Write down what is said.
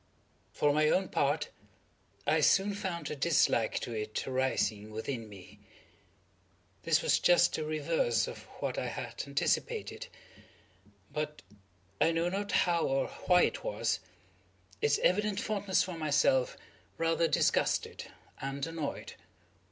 For my own part, I soon found a dislike to it arising within me. This was just the reverse of what I had anticipated; but—I know not how or why it was—its evident fondness for myself rather disgusted and annoyed.